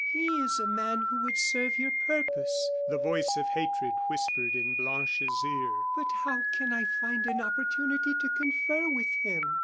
"He is a man who would serve your purpose," the voice of hatred whispered in Blanche's ear. "But how can I find an opportunity to confer with him?"